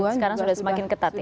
sekarang sudah semakin ketat ya